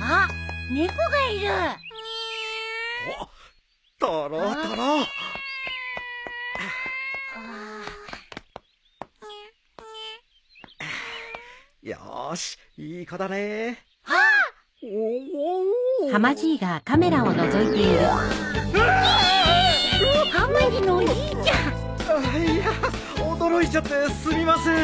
ああいやあ驚いちゃってすみません。